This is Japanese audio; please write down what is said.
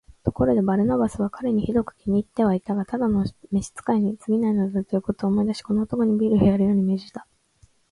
ところで、バルナバスは彼にひどく気に入ってはいたが、ただの使いにすぎないのだ、ということを思い出し、この男にビールをやるように命じた。